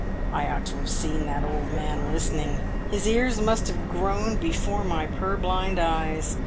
"I ought to have seen that old man listening! His ears must have grown before my purblind eyes!